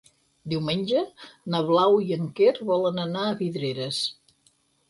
Diumenge na Blau i en Quer volen anar a Vidreres.